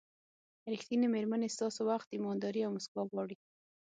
ریښتینې مېرمنې ستاسو وخت، ایمانداري او موسکا غواړي.